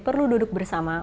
perlu duduk bersama